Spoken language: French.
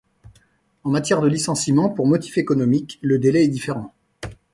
En matière de licenciement pour motif économique, le délai est différent.